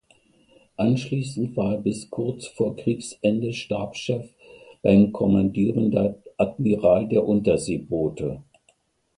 Anschließend war er bis kurz vor Kriegsende Stabschef beim Kommandierender Admiral der Unterseeboote.